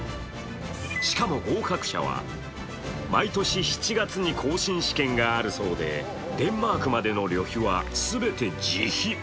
しかも、合格者は毎年７月に更新試験があるそうでデンマークまでの旅費は全て自費。